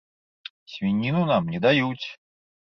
Свініну нам не даюць!